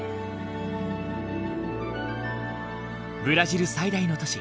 ブラジル最大の都市